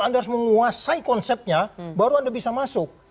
anda harus menguasai konsepnya baru anda bisa masuk